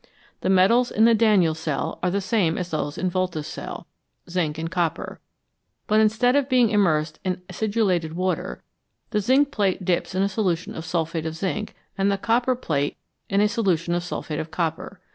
The metals in the Daniell cell are the same as those in Volta's cell, zinc and copper, but instead of being immersed in acidulated water, the zinc plate dips in a solution of sulphate of zinc, and the copper plate in a solution of sulphate of copper.